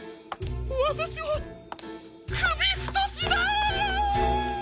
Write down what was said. わたしはくびふとしだ！